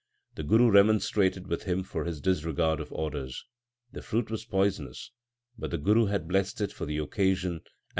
The Guru remonstrated with him for his disregard of orders. The fruit was poisonous, but the Guru had blessed it for the occasion and made 1 Asa.